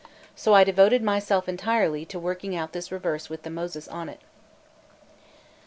So I devoted myself entirely to working out this reverse with the Moses on it. Note 1.